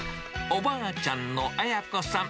おばあちゃんの綾子さん。